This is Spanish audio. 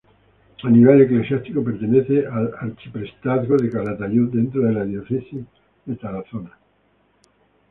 A nivel eclesiástico pertenece al arciprestazgo de Calatayud, dentro de la diócesis de Tarazona.